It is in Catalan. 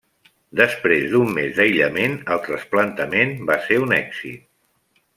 Després d'un mes d'aïllament, el trasplantament va ser un èxit.